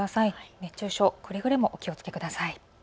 熱中症などくれぐれもお気をつけください。